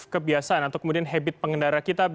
kebiasaan atau kemudian habit pengendara kita